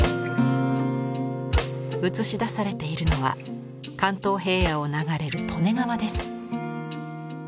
うつし出されているのは関東平野を流れる利根川です。